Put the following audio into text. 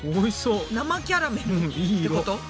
生キャラメルってこと？